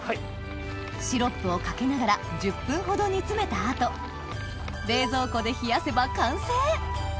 シロップをかけながら１０分ほど煮詰めた後冷蔵庫で冷やせば完成！